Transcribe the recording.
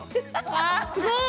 わあすごい！